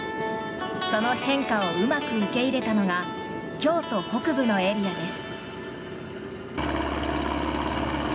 その変化をうまく受け入れたのが京都北部のエリアです。